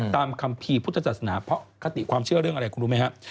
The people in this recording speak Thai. คัมภีร์พุทธศาสนาเพราะคติความเชื่อเรื่องอะไรคุณรู้ไหมครับ